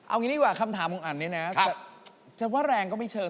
เอางี้ดีกว่าคำถามของอันเนี่ยนะจะว่าแรงก็ไม่เชิง